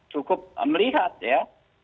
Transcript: cukup melihat ya